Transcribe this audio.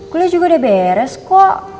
kuliah juga udah beres kok